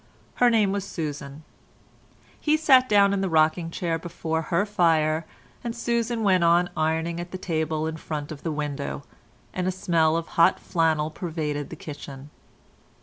Her name was Susan. He sat down in the rocking chair before her fire, and Susan went on ironing at the table in front of the window, and a smell of hot flannel pervaded the kitchen.